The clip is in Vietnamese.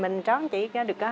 mình tráng chỉ có được hơi trang